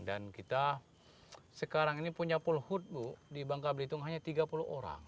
dan kita sekarang ini punya polhut bu di bangka belitung hanya tiga puluh orang